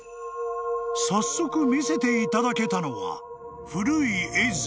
［早速見せていただけたのは古い絵図］